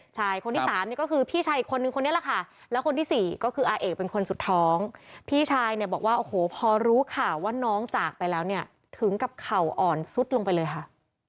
คนที่สามนี่ก็คือพี่ชายอีกคนนึงคนนี้แหละค่ะแล้วคนที่สี่ก็คืออาเอกเป็นคนสุดท้องพี่ชายเนี่ยบอกว่าโอ้โหพอรู้ข่าวว่าน้องจากไปแล้วเนี่ยถึงกับเข่าอ่อนซุดลงไปเลยค่ะ